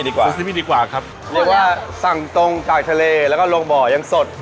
ดีกว่าเรียกว่าสั่งตรงจากทะเลแล้วก็ลงบ่อยังสด